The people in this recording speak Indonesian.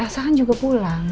sakan juga pulang